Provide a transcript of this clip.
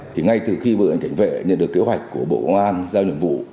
thì ngay từ khi bộ ảnh cảnh vệ nhận được kế hoạch của bộ công an giao nhiệm vụ